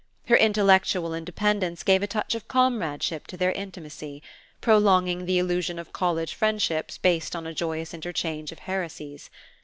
Her intellectual independence gave a touch of comradeship to their intimacy, prolonging the illusion of college friendships based on a joyous interchange of heresies.